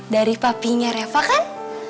dari papinya reva kan